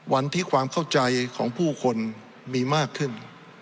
ความเข้าใจของผู้คนมีมากขึ้น